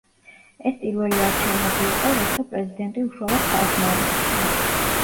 ეს პირველი არჩევნები იყო, როცა პრეზიდენტი უშუალოდ ხალხმა აირჩია.